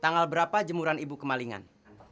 tanggal berapa jemuran ibu kemalingan